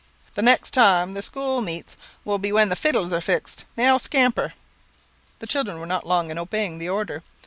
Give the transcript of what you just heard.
The next time the school meets will be when the fiddles are fixed. Now scamper." The children were not long in obeying the order.